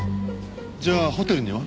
じゃあホテルには？